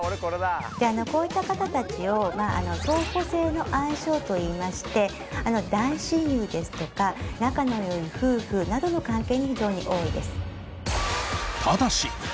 こういった方たちを相補性の相性といいまして大親友ですとか仲の良い夫婦などの関係に非常に多いです。